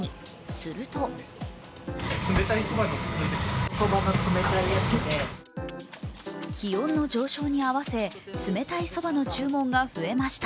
すると気温の上昇に合わせ、冷たいそばの注文が増えました。